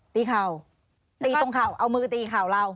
เข่าตีตรงเข่าเอามือตีเข่าเรา